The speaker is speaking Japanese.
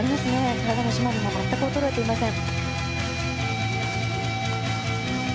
体の締まりも全く衰えていません。